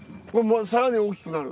更に大きくなる？